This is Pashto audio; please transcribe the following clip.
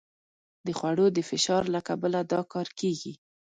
د خوړو د فشار له کبله دا کار کېږي.